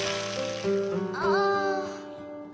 ああ。